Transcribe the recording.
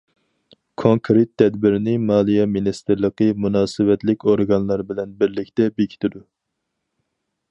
كونكرېت تەدبىرنى مالىيە مىنىستىرلىقى مۇناسىۋەتلىك ئورگانلار بىلەن بىرلىكتە بېكىتىدۇ.